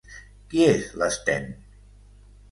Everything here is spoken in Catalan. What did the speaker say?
Qui és l'Sten?